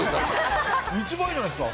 一番いいんじゃないですか。